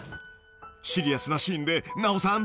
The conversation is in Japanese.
［シリアスなシーンで奈緒さん